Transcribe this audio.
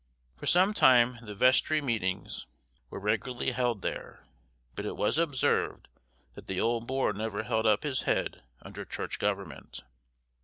For some time the vestry meetings were regularly held there, but it was observed that the old Boar never held up his head under church government.